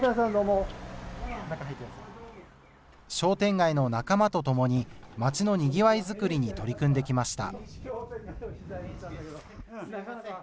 商店街の仲間とともに街のにぎわいづくりに取り組んできました。